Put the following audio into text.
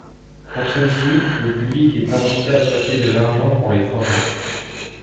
Pour celle-ci, le public est invité à prêter de l'argent pour les travaux.